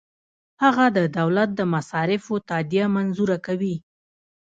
هغه د دولت د مصارفو تادیه منظوره کوي.